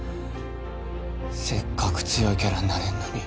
せっかく強いキャラになれるのに